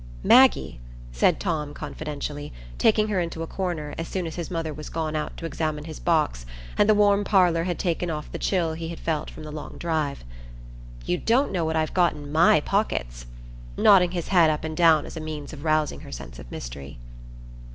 "Maggie," said Tom, confidentially, taking her into a corner, as soon as his mother was gone out to examine his box and the warm parlour had taken off the chill he had felt from the long drive, "you don't know what I've got in my pockets," nodding his head up and down as a means of rousing her sense of mystery.